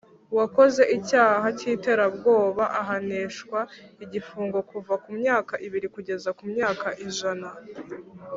uwakoze icyaha cy iterabwoba ahanishwa igifungo kuva ku myaka ibiri kugeza ku myaka ijana